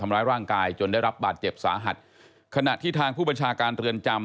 ทำร้ายร่างกายจนได้รับบาดเจ็บสาหัสขณะที่ทางผู้บัญชาการเรือนจำ